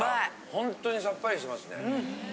ほんとにさっぱりしますね。